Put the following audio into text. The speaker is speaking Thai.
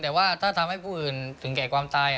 แต่ว่าถ้าทำให้ผู้อื่นถึงแก่ความตาย